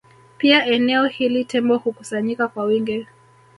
Pia eneo hili Tembo hukusanyika kwa wingi